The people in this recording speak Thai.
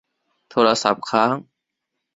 โทรศัพท์ค้าง